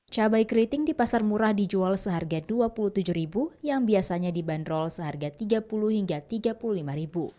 cabai keriting di pasar murah dijual seharga rp dua puluh tujuh yang biasanya dibanderol seharga rp tiga puluh hingga rp tiga puluh lima